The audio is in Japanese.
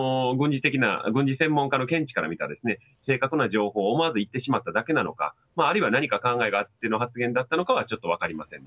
軍事専門家の見地から見た正確な情報を思わず言ってしまっただけなのかあるいは何か考えがあっての発言だったのかは分かりません。